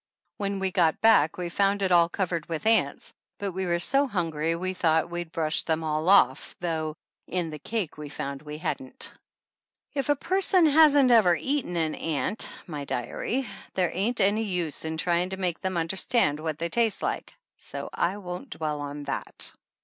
When we got back we found it all covered with ants, but we were so hungry we thought we'd brushed 80 THE ANNALS OF ANN them all off, though in the cake we found we hadn't. If a person hasn't ever eaten an ant, my diary, there ain't any use in trying to make them understand what they taste like, so I won't dwell on that.